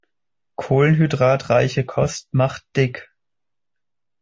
Kohlenhydratreiche Kost macht dick.